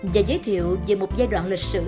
và giới thiệu về một giai đoạn lịch sử